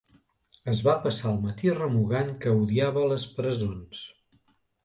Es va passar el camí remugant que odiava les presons.